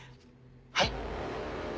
はい？